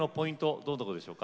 どんなところでしょうか。